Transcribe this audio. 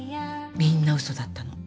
みんなウソだったの。